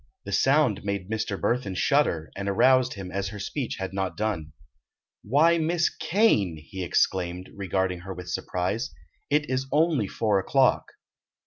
The sound made Mr. Burthon shudder, and aroused him as her speech had not done. "Why, Miss Kane!" he exclaimed, regarding her with surprise, "it is only four o'clock."